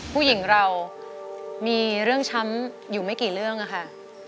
ผู้หญิงเรามีเรื่องช้ำอยู่ไม่กี่เรื่องค่ะ